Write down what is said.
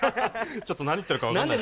ちょっと何言ってるか分からない。